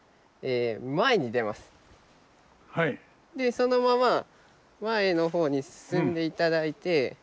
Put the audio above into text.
そのまま前の方に進んでいただいて。